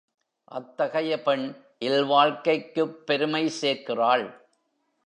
அத்தகைய பெண் இல்வாழ்க்கைக்குப் பெருமை சேர்க்கிறாள்.